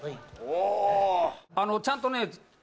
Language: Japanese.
おおちゃんとね